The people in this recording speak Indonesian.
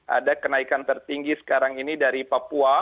ada kenaikan tertinggi sekarang ini dari papua